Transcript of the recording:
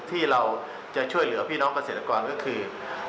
ที่เราจะช่วยเหลือพี่น้องเกษตรกรก็คือ